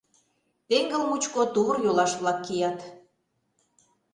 Теҥгыл мучко тувыр-йолаш-влак кият.